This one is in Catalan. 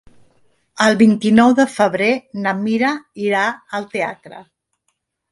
El vint-i-nou de febrer na Mira irà al teatre.